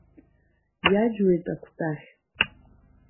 Иаџьуеит акәтаӷь.